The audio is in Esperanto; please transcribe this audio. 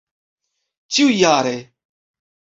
ĉiujare